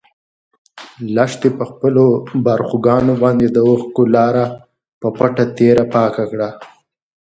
لښتې په خپلو باړخوګانو باندې د اوښکو لاره په پټه تېره پاکه کړه.